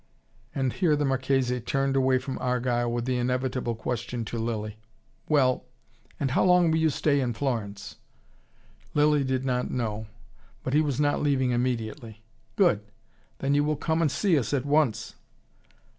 And here the Marchese turned away from Argyle with the inevitable question to Lilly: "Well, and how long will you stay in Florence?" Lilly did not know: but he was not leaving immediately. "Good! Then you will come and see us at once...."